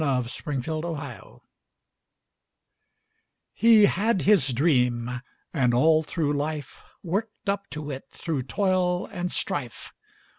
HE HAD HIS DREAM He had his dream, and all through life, Worked up to it through toil and strife.